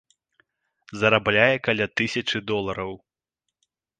Зарабляе каля тысячы долараў.